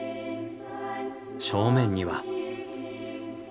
正面には。